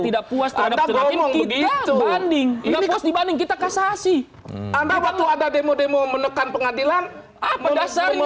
tidak puas puas dibanding kita kasasi ada demo demo menekan pengadilan apa dasarnya